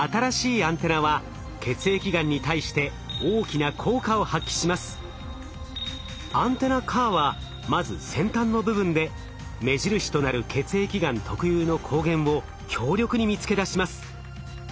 アンテナＣＡＲはまず先端の部分で目印となる血液がん特有の抗原を強力に見つけ出します。